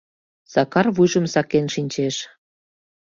Сакар вуйжым сакен шинчеш.